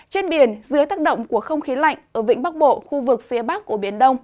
trên biển dưới tác động của không khí lạnh ở vĩnh bắc bộ khu vực phía bắc của biển đông